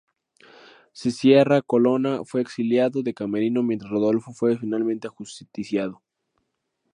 Sciarra Colonna fue exiliado de Camerino mientras Rodolfo fue finalmente ajusticiado.